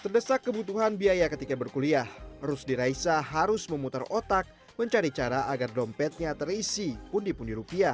terdesak kebutuhan biaya ketika berkuliah rusdi raisa harus memutar otak mencari cara agar dompetnya terisi pundi pundi rupiah